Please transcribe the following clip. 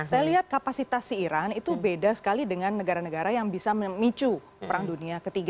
saya lihat kapasitas si iran itu beda sekali dengan negara negara yang bisa memicu perang dunia ketiga